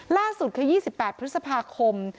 ล่าสุดคือ๒๘พฤษภาคม